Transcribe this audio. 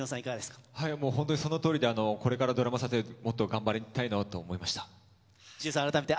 本当にその通りでこれからドラマ撮影、もっと頑張りたいなと思いました。